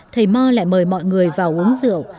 thầy mo lại mời mọi người vào uống rượu